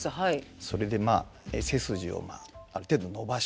それで背筋をある程度伸ばして。